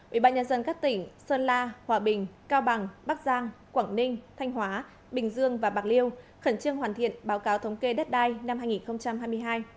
ubnd các tỉnh sơn la hòa bình cao bằng bắc giang quảng ninh thanh hóa bình dương và bạc liêu khẩn trương hoàn thiện báo cáo thống kê đất đai năm hai nghìn hai mươi hai